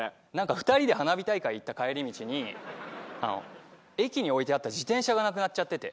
２人で花火大会行った帰り道に駅に置いてあった自転車がなくなっちゃってて。